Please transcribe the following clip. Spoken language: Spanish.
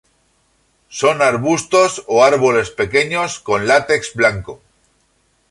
Son arbustos o árboles pequeños con látex blanco.